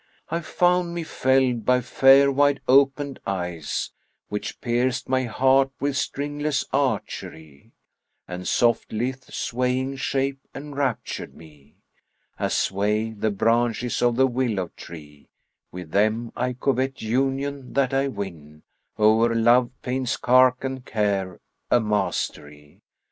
I found me felled by fair wide opened eyes, * Which pierced my heart with stringless archery: And soft, lithe, swaying shape enraptured me * As sway the branches of the willow tree: Wi' them I covet union that I win, * O'er love pains cark and care, a mastery.